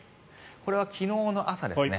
これは昨日の朝ですね。